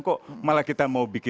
kok malah kita mau bikin